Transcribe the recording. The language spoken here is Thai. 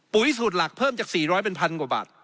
สูตรหลักเพิ่มจาก๔๐๐เป็นพันกว่าบาท